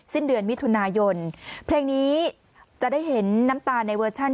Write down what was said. สิ้นเดือนมิถุนายนเพลงนี้จะได้เห็นน้ำตาลในเวอร์ชัน